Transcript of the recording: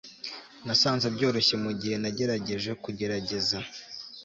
Nasanze byoroshye mugihe nagerageje kugerageza